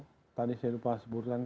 ya kalau tadi saya lupa sebut tadi ya